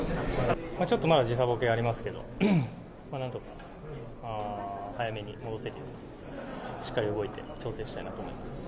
ちょっとまだ時差ボケがありますけど何とか早めに戻せるようにしっかり動いて調整したいなと思います。